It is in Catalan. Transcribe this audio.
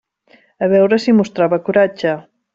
A veure si mostrava coratge.